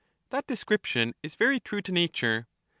That description is very true to nature.